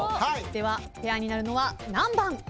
ではペアになるのは何番？